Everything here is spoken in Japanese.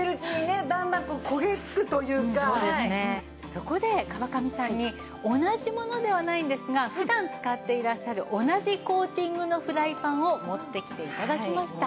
そこで川上さんに同じものではないんですが普段使っていらっしゃる同じコーティングのフライパンを持ってきて頂きました。